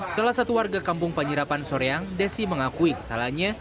salah satu warga kampung penyirapan soreang desi mengakui kesalahannya